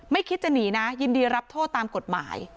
คิดจะหนีนะยินดีรับโทษตามกฎหมาย